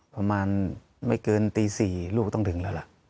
ประมาณไม่เกินตี๔ลูกก็ต้องถึงแล้วล่ะ